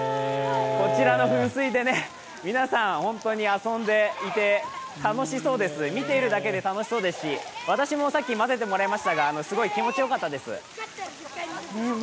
こちらの噴水で皆さん本当に遊んでいて楽しそうです、見ているだけで楽しそうですし、私もさっき混ぜてもらいましたが、すごい気持ちよかったです。